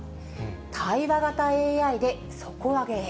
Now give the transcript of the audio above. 対話型ＡＩで底上げへ。